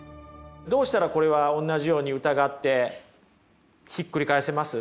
どうしたらこれはおんなじように疑ってひっくり返せます？